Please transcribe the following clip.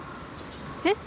えっ？